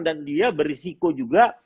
dan dia berisiko juga